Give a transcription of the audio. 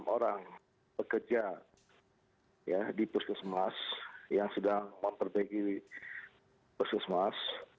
enam orang pekerja di proses mas yang sedang memperbaiki proses mas